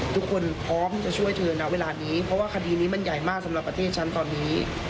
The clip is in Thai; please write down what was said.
พร้อมที่จะช่วยเธอนะเวลานี้เพราะว่าคดีนี้มันใหญ่มากสำหรับประเทศฉันตอนนี้